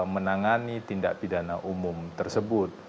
menangani tindak pidana umum tersebut